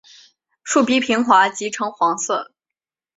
树皮平滑及呈黄色。